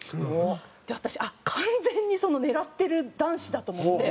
で私完全に狙ってる男子だと思って。